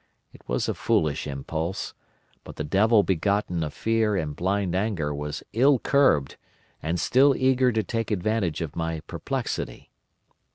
It was a foolish impulse, but the devil begotten of fear and blind anger was ill curbed and still eager to take advantage of my perplexity.